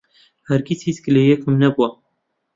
هەرگیز هیچ گلەیییەکم نەبووە.